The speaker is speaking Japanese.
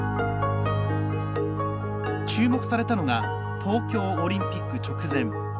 注目されたのが東京オリンピック直前。